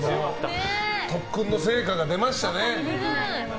特訓の成果が出ましたね。